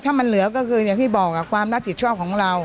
ถ้ามันเหลือก็คืออย่างที่บอกความรับผิดชอบของเรา